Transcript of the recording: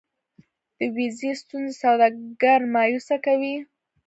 د ویزې ستونزې سوداګر مایوسه کوي.